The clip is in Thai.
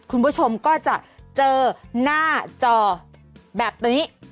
คุณผู้ชมก็จะเจอหน้าจอแบบนี้